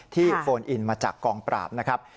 โฟนอินมาจากกองปราบนะครับ